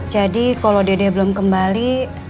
jadi kalau dede belum kembali